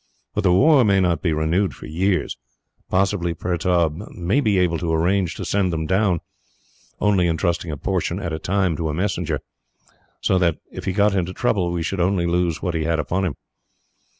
But the war may not be renewed for years. Possibly Pertaub may be able to arrange to send them down, only entrusting a portion at a time to a messenger, so that, if he got into trouble, we should only lose what he had upon him.